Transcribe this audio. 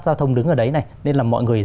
giao thông đứng ở đấy này nên là mọi người